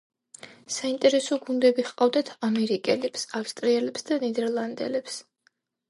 საინტერესო გუნდები ჰყავდათ ამერიკელებს, ავსტრიელებს და ნიდერლანდელებს.